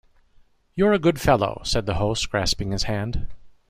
‘You’re a good fellow’ said the host, grasping his hand.